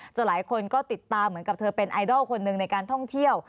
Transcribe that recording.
หลายคนก็ติดตามเหมือนกับเธอเป็นไอดอลคนหนึ่งในการท่องเที่ยว